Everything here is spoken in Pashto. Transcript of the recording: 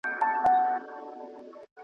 زه دي سوځلی یم او ته دي کرۍ شپه لګېږې.